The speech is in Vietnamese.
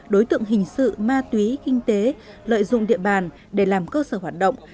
đối tượng hình sự ma túy kinh tế lợi dụng địa bàn để làm cơ sở hoạt động